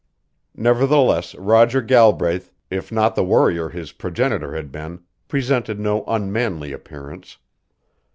Nevertheless Roger Galbraith, if not the warrior his progenitor had been, presented no unmanly appearance.